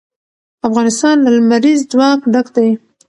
افغانستان له لمریز ځواک ډک دی.